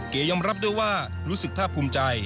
เก๋ยอมรับด้วยว่ารู้สึกภาพภูมิใจ